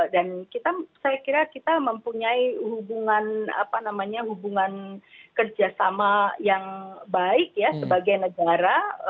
dan kita saya kira kita mempunyai hubungan apa namanya hubungan kerjasama yang baik ya sebagai negara